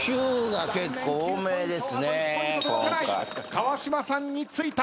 川島さんについた。